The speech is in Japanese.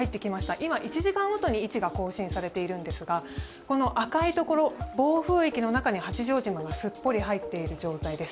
今、１時間ごとに位置が更新されているんですが、赤いところ、暴風域の中に八丈島がすっぽり入っている状態です。